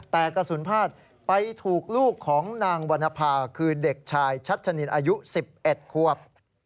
แต่กระสุนพลาดไปถูกลูกของนางวรรณภาคือเด็กชายชัชนินอายุ๑๑ควบ